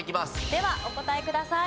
ではお答えください。